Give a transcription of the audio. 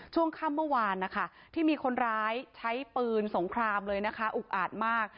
ช่วงค่ำเมื่อวานนะคะที่มีคนร้ายใช้ปืนสงครามเลยนะคะอุกอาจมาก